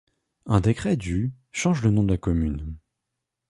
Un décret du change le nom de la commune.